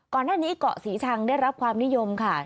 ก่อนหน้านี้เกาะศรีชังได้รับความนิยมค่ะ